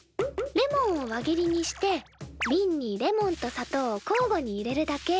レモンを輪切りにしてビンにレモンと砂糖をこうごに入れるだけ。